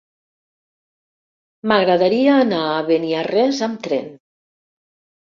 M'agradaria anar a Beniarrés amb tren.